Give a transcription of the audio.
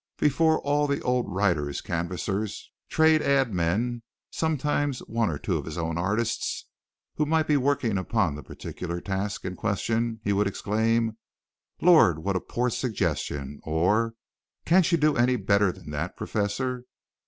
Before all the old writers, canvassers, trade aid men sometimes one or two of his own artists who might be working upon the particular task in question, he would exclaim: "Lord! what a poor suggestion!" or "can't you do any better than that, professor?"